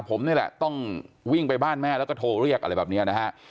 ผมนี่แหละต้องวิ่งไปบ้านแม่แล้วก็โทรเรียกอะไรแบบนี้นะฮะ